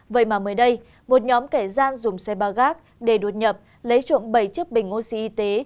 vậy mà mới đây một nhóm kẻ gian dùng xe ba gác để đột nhập lấy trộm bảy chiếc bình oxy y tế